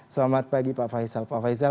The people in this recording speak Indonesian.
selamat pagi pak faisal